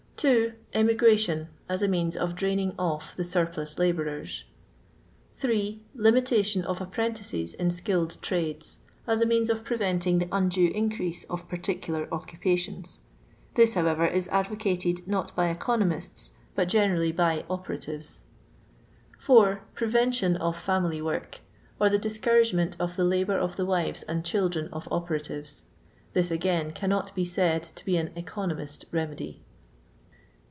2. Bmigration ; as a means of draining off the surplus labourers. 8. Limitation of apprentices in skilled trades; as a means of preventing the undue in crease of particular occupations. This, however, is advocated not by economists, but generally by operatives. 4. Prevention of family work ; or the dis couragement of the labour of the wives and diildren of operatives. This, again, can not be said to be an "economist" remedy.